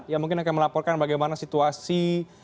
ya mungkin akan melaporkan bagaimana situasi